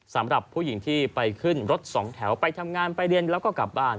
สำหรับผู้หญิงที่ไปขึ้นรถสองแถวไปทำงานไปเรียนแล้วก็กลับบ้าน